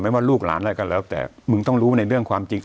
ว่าลูกหลานอะไรก็แล้วแต่มึงต้องรู้ในเรื่องความจริง